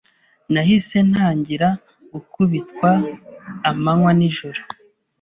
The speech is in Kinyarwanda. nahise ntangira gukubitwa amanywa n’ijoro,